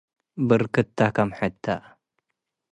ብርክተ ክም ሕተ።